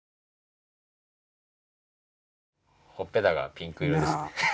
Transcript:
ほっぺたがピンク色ですね。